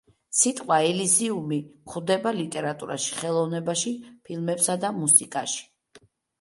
სიტყვა ელიზიუმი გვხვდება ლიტერატურაში, ხელოვნებაში ფილმებსა და მუსიკაში.